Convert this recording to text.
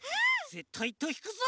ぜったい１とうひくぞ！